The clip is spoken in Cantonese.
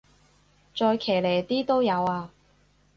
再騎呢啲都有啊